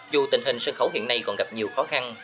dù tình hình sân khấu hiện nay còn gặp nhiều khó khăn